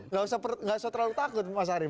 nggak usah terlalu takut mas arief